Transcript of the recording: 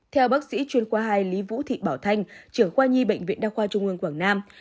theo bác sĩ chuyên khoa hai lý vũ thị bảo thanh trưởng khoa nhi bệnh viện đa khoa trung ương quảng nam